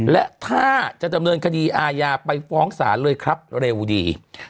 และถ้าจะดำเนินคดีอาญาไปฟ้องศาลเลยครับเร็วดี